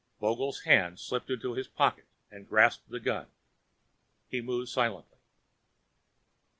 Vogel's hand slipped into his coat pocket and grasped the gun. He moved silently.